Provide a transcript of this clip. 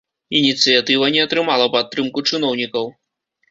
Ініцыятыва не атрымала падтрымку чыноўнікаў.